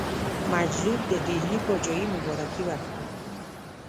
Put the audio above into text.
مجذوب د ډهلي پاچهي مبارکي ورکړه.